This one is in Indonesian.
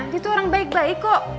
dia tuh orang baik baik kok